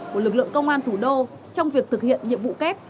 của lực lượng công an thủ đô trong việc thực hiện nhiệm vụ kép